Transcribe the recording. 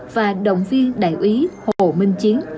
và đồng viên đại úy hồ minh chiến